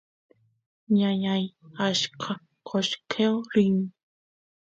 ñañay achka qoshqeo rin